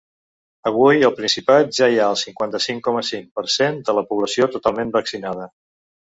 Avui al Principat ja hi ha el cinquanta-cinc coma cinc per cent de la població totalment vaccinada.